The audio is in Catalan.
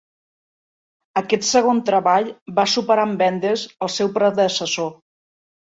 Aquest segon treball va superar en vendes al seu predecessor.